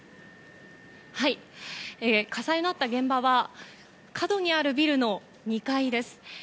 火災のあった現場は角にあるビルの２階です。